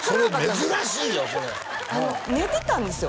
それ珍しいよそれ寝てたんですよ